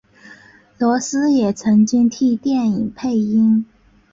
罗斯也曾经替电影配音。